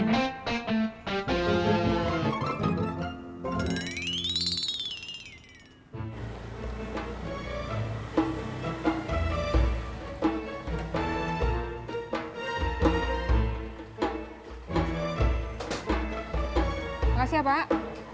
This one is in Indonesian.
makasih ya pak